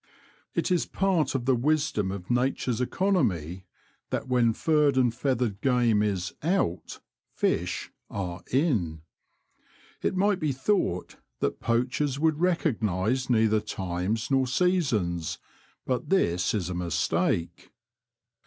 It is part of the wisdom of nature's economy that when furred and feathered game is ^' out," fish are ''in." It might be thought that poachers would recognize neither times nor seasons, but this is a mistake.